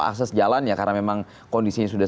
akses jalan ya karena memang kondisinya sudah